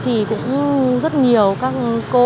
thì cũng rất nhiều các cô